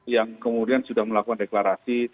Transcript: yang kemudian sudah melakukan deklarasi